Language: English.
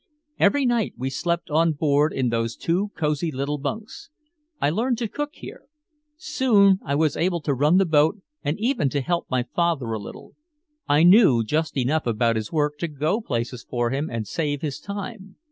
"Every night we slept on board in those two cozy little bunks. I learned to cook here. Soon I was able to run the boat and even to help my father a little. I knew just enough about his work to go places for him and save his time.